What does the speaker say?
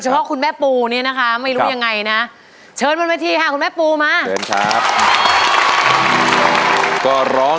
เป็นคู่ชีวิตในยามที่มีวันนั้น